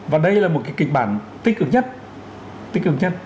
và đây là một cái kịch bản tích cực nhất tích cực nhất